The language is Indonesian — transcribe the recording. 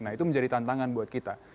nah itu menjadi tantangan buat kita